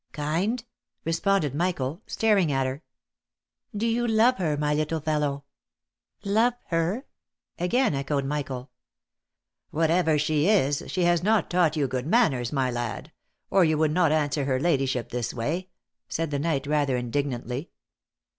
" Kind ?" responded Michael, staring at her. c 2 "20 THE LIFE AND ADVENTURES " Do you love her, my little fellow ?"(* Love her ?" again echoed Michael. " "Whatever she is, she has not taught you good manners, my lad, or you would not answer her ladyship this way," said the knight rather indignantly.